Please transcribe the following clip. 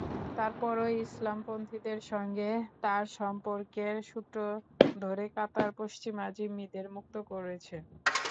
তার পরও ইসলামপন্থীদের সঙ্গে তার সম্পর্কের সূত্র ধরে কাতার পশ্চিমা জিম্মিদের মুক্ত করেছে।